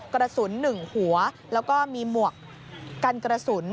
กระสุน๑หัวแล้วก็มีหมวกกันกระสุน